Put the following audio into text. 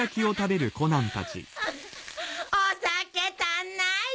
お酒足んない！